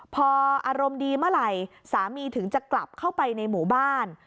พออารมณ์ดีเมื่อไหร่สามีถึงจะกลับเข้าไปในหมู่บ้าน